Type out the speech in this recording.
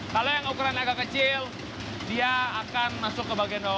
kalau yang ukuran agak kecil dia akan masuk ke bagian bawah